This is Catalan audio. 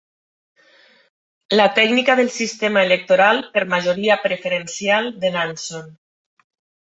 La tècnica del sistema electoral per majoria preferencial de Nanson.